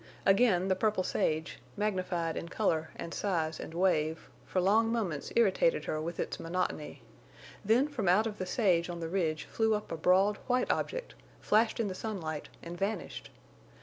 Again the purple sage, magnified in color and size and wave, for long moments irritated her with its monotony. Then from out of the sage on the ridge flew up a broad, white object, flashed in the sunlight and vanished.